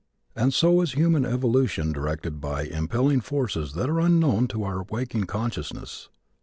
And so is human evolution directed by impelling forces that are unknown to our waking consciousness.